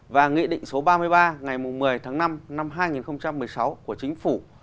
và nghị định số ba mươi ba ngày một mươi tháng năm năm hai nghìn một mươi sáu của chính phủ